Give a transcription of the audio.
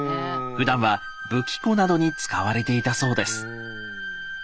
ふだんは武器庫などに使われていたそうです。